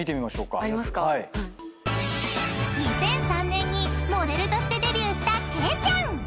［２００３年にモデルとしてデビューした］